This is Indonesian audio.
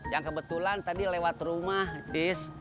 yang kebetulan tadi lewat rumah dis